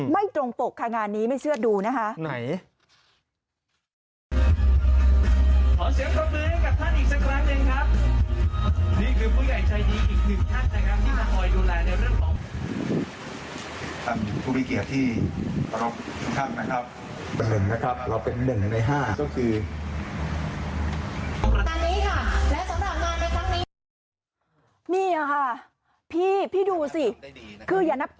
ไม่ตรงปกค่ะงานนี้ไม่เชื่อดูนะคะ